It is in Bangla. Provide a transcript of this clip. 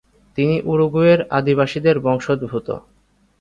তিনি উরুগুয়ের আদিবাসীদের বংশোদ্ভুত।